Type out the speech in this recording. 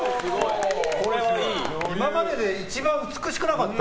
今までで一番美しくなかった？